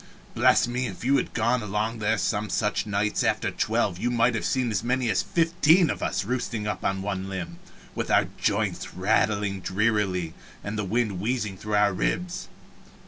Bless me, if you had gone along there some such nights after twelve you might have seen as many as fifteen of us roosting on one limb, with our joints rattling drearily and the wind wheezing through our ribs!